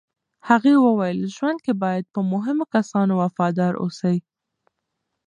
هغې وویل، ژوند کې باید په مهمو کسانو وفادار اوسې.